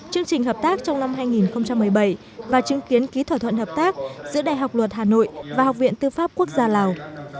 chương trình hợp tác trong năm hai nghìn một mươi bảy và chứng kiến ký thỏa thuận hợp tác giữa đại học luật hà nội và học viện tư pháp quốc gia lào